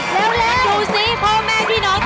อยู่สิพ่อแม่พี่น้อง